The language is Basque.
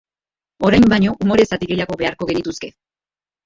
Orain baino umore zati gehiago beharko genituzke.